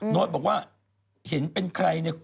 โน๊ตบอกว่าเห็นเป็นใครเนี่ย